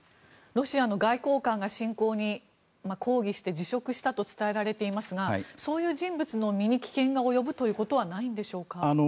ロシアの外交官が侵攻に抗議して辞職したと伝えられていますがそういう人物の身に危険が及ぶことはないんでしょうか。